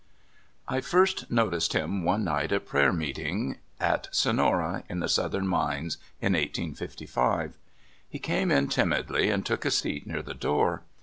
1 FIRST noticed him one night at prayer meet ing at Sonera, in the Southern Mines, in 1855. He came in timidly, and took a seat near the door.